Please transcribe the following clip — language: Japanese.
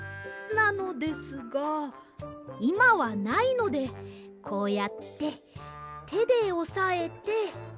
なのですがいまはないのでこうやっててでおさえて。